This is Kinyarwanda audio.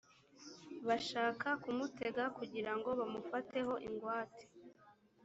bashaka kumutega kugira ngo bamufateho ingwate